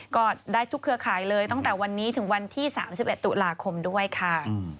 ก็ได้ทุกเครือข่ายเลยตั้งแต่วันนี้ถึงวันที่๓๑ตุลาคมด้วยค่ะ